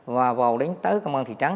và vào đến tới công an thị trắng